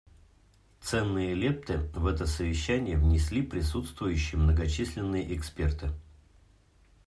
Ценные лепты в это совещание внесли присутствовавшие многочисленные эксперты.